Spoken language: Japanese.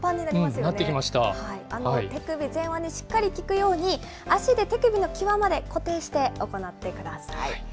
手首、前腕にしっかり効くように、足で手首のきわまで固定して行ってください。